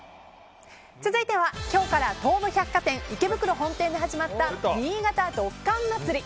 続いては今日から東武百貨店池袋本店で始まった新潟ドッカン祭り。